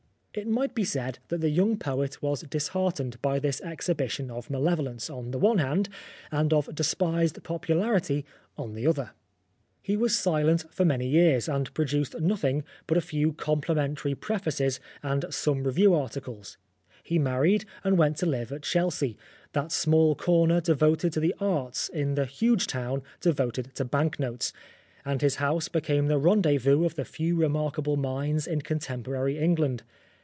It might be said that the young poet was disheartened by this' exhibition of malevo lence on the one hand, and of despised popularity on the other. He was silent for many years, and produced nothing but a 263 Oscar Wilde few complimentary prefaces and some review articles. He married and went to live at Chelsea, that small corner devoted to the arts in the huge town devoted to bank notes, and his house became the rendezvous of the few remarkable minds in contemporary Eng land.